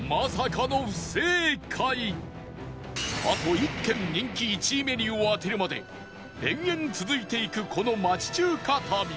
あと１軒人気１位メニューを当てるまで延々続いていくこの町中華旅